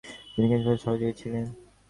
তিনি কেশবচন্দ্রের সহযোগী ছিলেন।